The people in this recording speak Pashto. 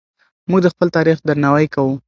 موږ د خپل تاریخ درناوی کوو.